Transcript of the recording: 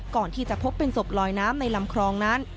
ก่อนที่จะพบเป็นศพลอยน้ำในลำคลองนั้น